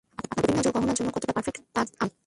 আপনার গভীর নজর গহনার জন্য কতটা পারফেক্ট, তা আমি জানি।